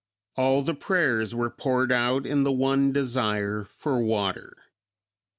All the prayers were poured out in the one desire for water.